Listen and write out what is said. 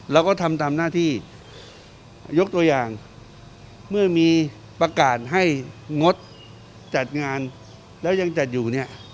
เราก็ทำตามหน้าที่ยกตัวอย่างเมื่อมีประกาศให้งดจัดงานแล้วยังจัดอยู่เนี่ย